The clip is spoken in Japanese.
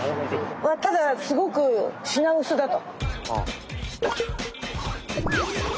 ただすごく品薄だと。